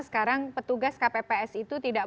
sekarang petugas kpps itu tidak